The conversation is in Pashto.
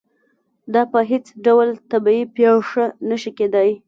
دا په هېڅ ډول طبیعي پېښه نه شي کېدای.